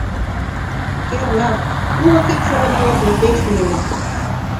Кернак, тулык икшывын илышыже пеш неле.